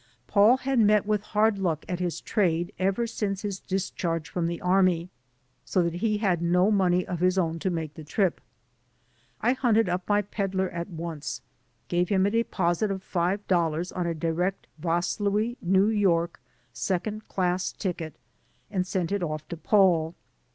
Paul had met with hard luck at his trade ever since his discharge from the army, so that he had no money of his own to make the trip. I hunted up my peddler at once, gave him a deposit of five dollars on a direct Vaslui New York second class ticket, and sent it off to Paul.